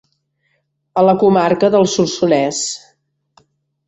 A la comarca del Solsonès.